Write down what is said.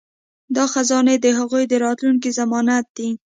دا خزانې د هغوی د راتلونکي ضمانت دي.